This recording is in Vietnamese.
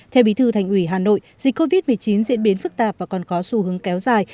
theo bí thư thành ủy hà nội dịch covid một mươi chín diễn biến phức tạp và còn có xu hướng kéo dài